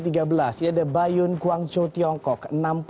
ini ada bayun guangzhou tiongkok